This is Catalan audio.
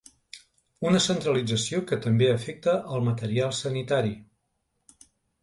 Una centralització que també afecta el material sanitari.